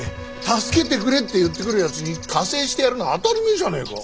助けてくれって言ってくるやつに加勢してやるのは当たり前じゃねえか。